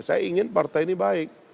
saya ingin partai ini baik